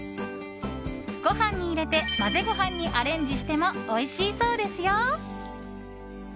ご飯に入れて混ぜご飯にアレンジしてもおいしいそうですよ。